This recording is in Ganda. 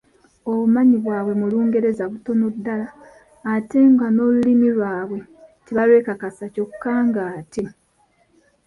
Obumanyi bwabwe mu Lungereza butono ddala ate nga n’Olulimi lwabwe tebalwekakasa kyokka ng’ate